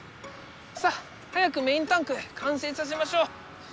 さっ早くメインタンクかんせいさせましょう！